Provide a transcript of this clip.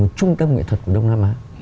một trung tâm nghệ thuật của đông nam á